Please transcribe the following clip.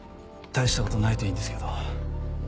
大したことないといいんですけど。